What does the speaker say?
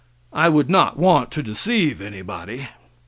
I would not want to deceive anybody.